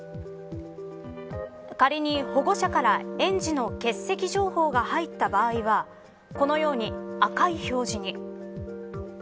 仮に、保護者から園児の欠席情報が入った場合はこのように赤い表示に。